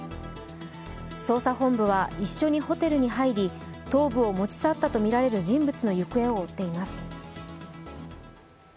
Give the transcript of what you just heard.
捜査本部は、一緒にホテルに入り頭部を持ち去ったとみられる人物の行方を追っています。